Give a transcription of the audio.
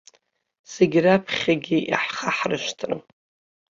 Зегь раԥхьагьы иаҳхаҳаршҭрым.